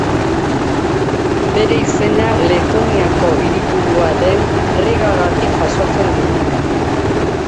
Bere izena Letoniako hiriburua den Rigagatik jasotzen du.